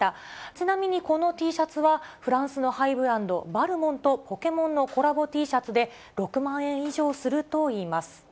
ちなみにこのＴシャツはフランスのハイブランド、バルモンとポケモンのコラボＴシャツで、６万円以上するといいます。